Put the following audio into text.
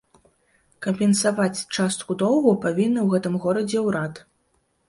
Кампенсаваць частку доўгу павінны ў гэтым годзе ўрад.